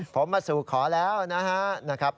ผมมาสู่ขอแล้วนะครับ